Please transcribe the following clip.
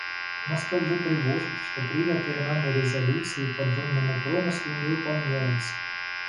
Нас также тревожит, что принятые нами резолюции по донному промыслу не выполняются.